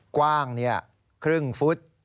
กว้างเนี่ยครึ่งฟุต